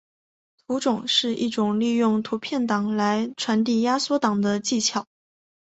图种是一种利用图片档来传递压缩档的技巧。